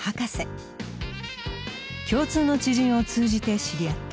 共通の知人を通じて知り合った。